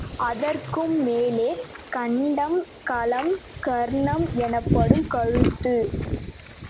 அதற்கும் மேலே கண்டம், களம் கர்ணம் எனப்படும் கழுத்து.